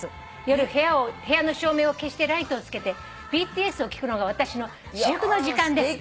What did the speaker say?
「夜部屋の照明を消してライトをつけてＢＴＳを聴くのが私の至福の時間です」